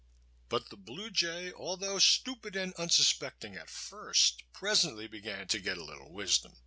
But the Blue Jay, although stupid and unsuspecting at first, presently began to get a little wisdom.